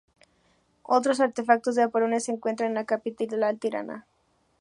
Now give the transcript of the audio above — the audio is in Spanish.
Otros artefactos de Apolonia se encuentran en la capital, Tirana.